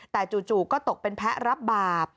แต่จู่ก็ตกเป็นแพ้รับบาป